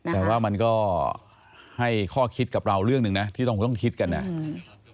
แต่ว่ามันก็ให้ข้อคิดกับเราเรื่องหนึ่งนะที่ต้องคิดกันเนี่ย